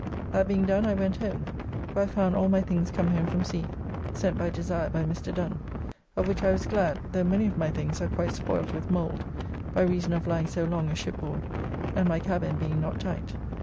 That being done, I went home, where I found all my things come home from sea (sent by desire by Mr. Dun), of which I was glad, though many of my things are quite spoilt with mould by reason of lying so long a shipboard, and my cabin being not tight.